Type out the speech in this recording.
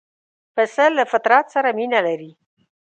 پسه له فطرت سره مینه لري.